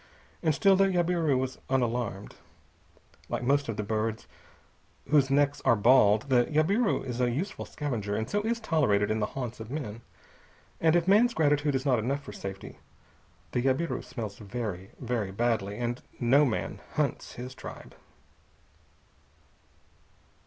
And still the jabiru was unalarmed. Like most of the birds whose necks are bald, the jabiru is a useful scavenger, and so is tolerated in the haunts of men. And if man's gratitude is not enough for safety, the jabiru smells very, very badly, and no man hunts his tribe.